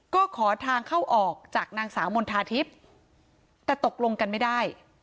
ก็ขอทางเข้าออกจากนางสาวมณฑาทิพย์แต่ตกลงกันไม่ได้